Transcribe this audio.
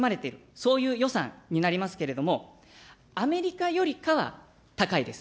そういう予算になりますけれども、アメリカよりかは高いです。